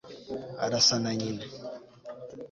arasa na nyina